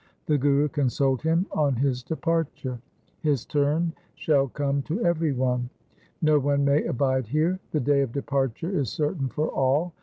The Guru consoled him on his departure —' His turn shall come to every one. No one may abide here. The day of departure is certain for all.